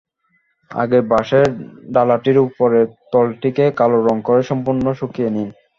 আগেই বাঁশের ডালাটির ওপরের তলটিকে কালো রং করে সম্পূর্ণ শুকিয়ে নিন।